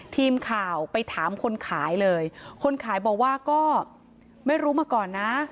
ทีมข่าวไปถามคนขายเลยคนขายบอกว่าก็ไม่รู้มาก่อนนะ